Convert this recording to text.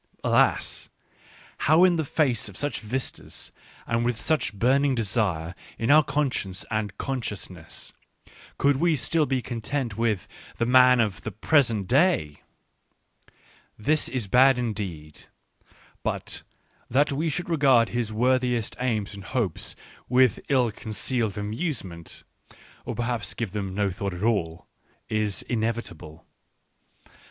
Alas ! how in the face of such vistas, and with such burning desire in our conscience and consciousness, could we still be content with the man of the present day ? This is bad indeed; but, that we should regard his worthiest aims and hopes with ill concealed am use Digitized by Google WHY I WRITE SUCH EXCELLENT BOOKS IOI ment, or perhaps give them no thought at all, is in evitable.